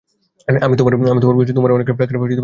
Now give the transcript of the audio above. আমি তোমাদের বলছি, তোমরা অনেক টাকার মালিক হতে চলেছ।